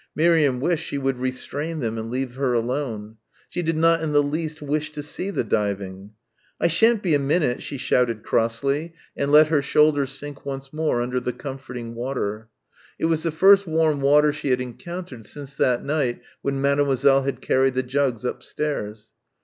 Miriam wished she would restrain them and leave her alone. She did not in the least wish to see the diving. "I shan't be a minute," she shouted crossly, and let her shoulders sink once more under the comforting water. It was the first warm water she had encountered since that night when Mademoiselle had carried the jugs upstairs.